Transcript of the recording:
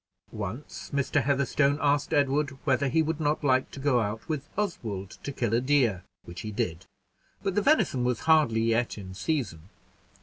Once Mr. Heatherstone asked Edward whether he would not like to go out with Oswald to kill a deer, which he did; but the venison was hardly yet in season.